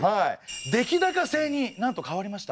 出来高制になんと変わりました。